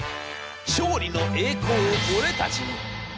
『勝利の栄光を俺たちに！』。